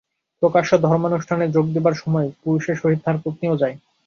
প্রকাশ্য ধর্মানুষ্ঠানে যোগ দিবার সময় পুরুষের সহিত তাহার পত্নীও যায়।